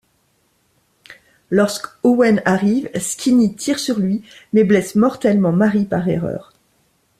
Lorsqu'Owen arrive, Skinny tire sur lui, mais blesse mortellement Marie par erreur.